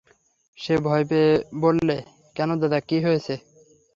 সে ভয় পেয়ে বললে, কেন দাদা, কী হয়েছে?